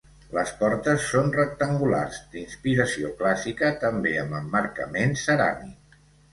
Les portes són rectangulars, d'inspiració clàssica, també amb emmarcament ceràmic.